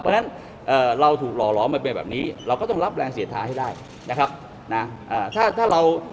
เพราะฉะนั้นเราถูกหล่อล้อมาเป็นแบบนี้เราก็ต้องรับแรงเสียท้าให้ได้นะครับนะถ้าถ้าเรา